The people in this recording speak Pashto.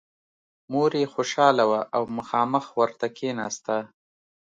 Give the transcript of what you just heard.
مور یې خوشحاله وه او مخامخ ورته کېناسته